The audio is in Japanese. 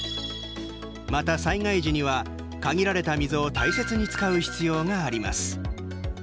また災害時には、限られた水を大切に使う必要があります。